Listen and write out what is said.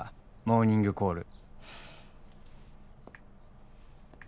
「モーニングコール」